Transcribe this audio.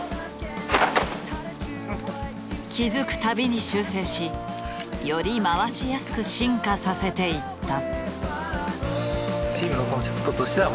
気付くたびに修正しより回しやすく進化させていった。